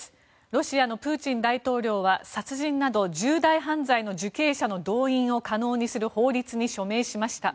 ロシアのプーチン大統領は殺人など重大犯罪の受刑者の動員を可能にする法案に署名しました。